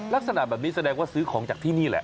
ลักษณะแบบนี้แสดงว่าซื้อของจากที่นี่แหละ